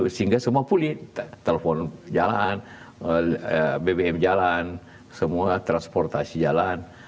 sehingga semua pulih telepon jalan bbm jalan semua transportasi jalan